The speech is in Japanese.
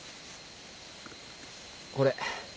これ。